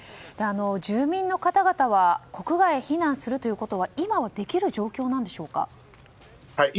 住民の方々は国外へ避難するということは今はできる状況なんでしょうか。